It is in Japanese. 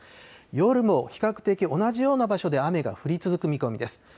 夜も比較的同じような場所で雨が降り続く見込みです。